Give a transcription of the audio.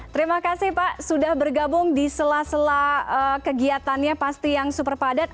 terima kasih pak sudah bergabung di sela sela kegiatannya pasti yang super padat